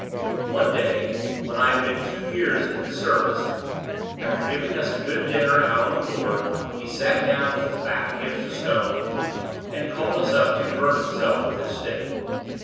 One day (when I had been two years in his service), after giving us a good dinner out on the moor, he sat down with his back against a stone, and called us up to divert himself with his stick.